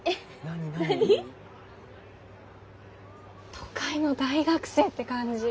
都会の大学生って感じ。